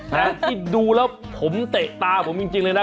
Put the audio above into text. แต่ที่ดูแล้วผมเตะตาผมจริงเลยนะ